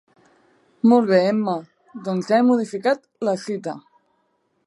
Molt bé, Emma. Doncs ja he modificat la cita.